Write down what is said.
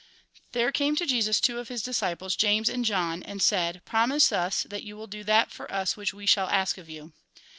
There came to Jesus two of his disciples, James and John, and said :" Promise us that you will do that for us which we shall ask of you."